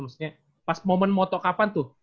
maksudnya pas momen moto kapan tuh